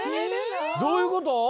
どういうこと？